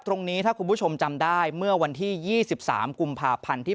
ตรงนี้ถ้าคุณผู้ชมจำได้เมื่อวันที่๒๓กุมภาพันธ์ที่